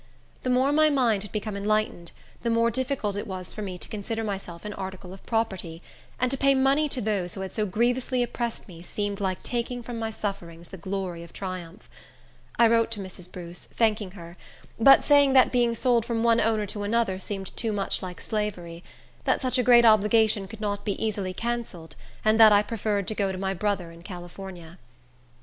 The more my mind had become enlightened, the more difficult it was for me to consider myself an article of property; and to pay money to those who had so grievously oppressed me seemed like taking from my sufferings the glory of triumph. I wrote to Mrs. Bruce, thanking her, but saying that being sold from one owner to another seemed too much like slavery; that such a great obligation could not be easily cancelled; and that I preferred to go to my brother in California.